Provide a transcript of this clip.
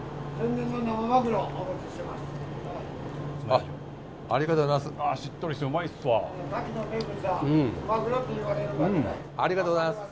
ありがとうございます。